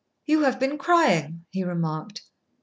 "You have been crying," he remarked.